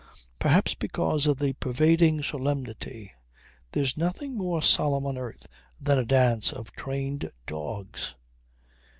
Perhaps because of the pervading solemnity. There's nothing more solemn on earth than a dance of trained dogs.